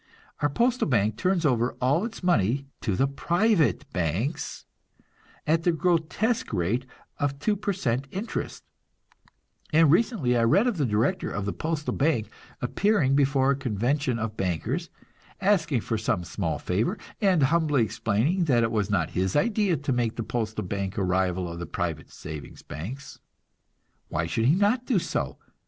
Our postal bank turns over all its money to the private banks, at the grotesque rate of two per cent interest; and recently I read of the director of the postal bank appearing before a convention of bankers, asking for some small favor, and humbly explaining that it was not his idea to make the postal bank a rival of the private savings banks. Why should he not do so?